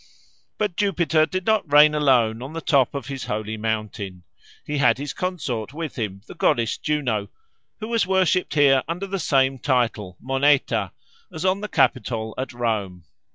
But Jupiter did not reign alone on the top of his holy mountain. He had his consort with him, the goddess Juno, who was worshipped here under the same title, Moneta, as on the Capitol at Rome.